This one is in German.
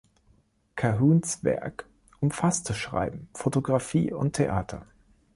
Cahuns Werk umfasste Schreiben, Fotografie und Theater.